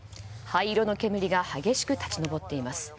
灰色の煙が激しく立ち上っています。